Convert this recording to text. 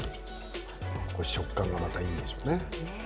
食感がまたいいんでしょうね。